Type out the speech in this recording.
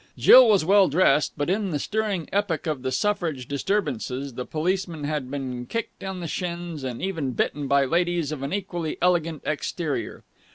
Jill was well dressed, but, in the stirring epoch of the Suffrage disturbances, the policeman had been kicked on the shins and even bitten by ladies of an equally elegant exterior.